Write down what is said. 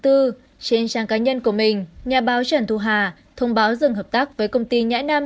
trên trang cá nhân của mình nhà báo trần thu hà thông báo dừng hợp tác với công ty nhãi nam